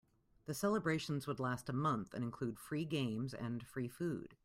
The celebrations would last a month and include free games and free food.